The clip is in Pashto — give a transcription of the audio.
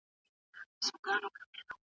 د مڼې نښه د سکرین په منځ کې ښکارېده.